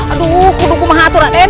aduh kuduku mahatu raden